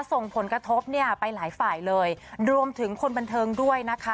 ส่งผลกระทบเนี่ยไปหลายฝ่ายเลยรวมถึงคนบันเทิงด้วยนะคะ